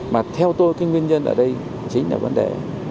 mà theo tôi cái nguyên nhân ở đây chính là vấn đề